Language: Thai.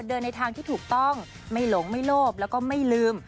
ในทางที่ถูกต้องไม่หลงไม่โลภแล้วก็ไม่ลืม